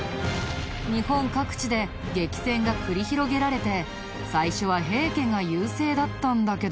日本各地で激戦が繰り広げられて最初は平家が優勢だったんだけど。